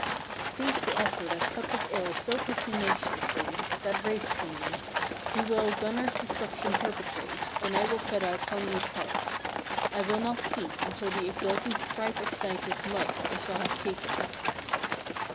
31. "Cease to offer that cup of ills so pertinaciously, that race to me: he will Gunnar's destruction perpetrate, and will cut out Hogni's heart. I will not cease until the exulting strife exciter's life I shall have taken."